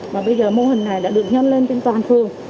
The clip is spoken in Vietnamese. và bây giờ mô hình này đã được nhân lên trên toàn phường